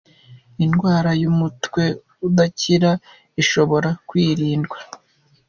Indwara y’umutwe udakira ishobora kwirindwa